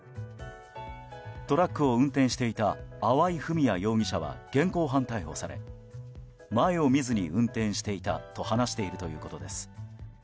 トラックを運転していた粟井文哉容疑者は現行犯逮捕され前を見ずに運転していたと話しているということです。